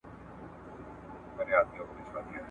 دا بری او سخاوت دی چي ژوندی دي سي ساتلای ..